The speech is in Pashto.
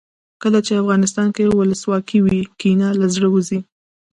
کله چې افغانستان کې ولسواکي وي کینه له زړه وځي.